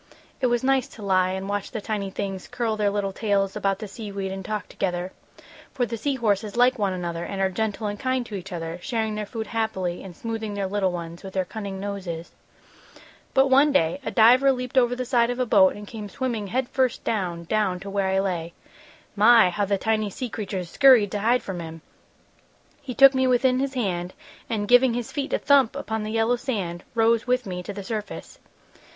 It was nice to lie and watch the tiny things curl their little tails about the sea weed and talk together, for the sea horses like one another and are gentle and kind to each other, sharing their food happily and smoothing their little ones with their cunning noses. "But one day a diver leaped over the side of a boat and came swimming head first down, down to where I lay. My! How the tiny sea creatures scurried to hide from him. He took me within his hand and, giving his feet a thump upon the yellow sand, rose with me to the surface.